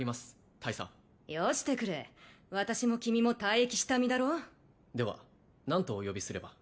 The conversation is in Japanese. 大佐よしてくれ私も君も退役した身だろうでは何とお呼びすれば？